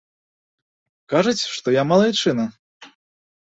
Кажуць, што я малайчына.